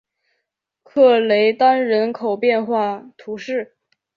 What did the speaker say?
克雷丹人口变化图示